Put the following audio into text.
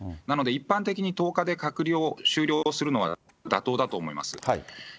なので、一般的に１０日で隔離を終了するのは妥当だと思います。